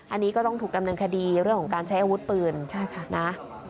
อันนี้ก็ต้องถูกดำเนินคดีเรื่องของการใช้อาวุธปืนนะ